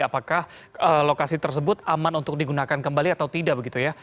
apakah lokasi tersebut aman untuk digunakan kembali atau tidak begitu ya